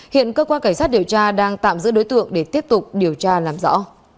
hiện cơ quan cảnh sát điều tra đang tạm giữ đối tượng để tiếp tục điều tra làm rõ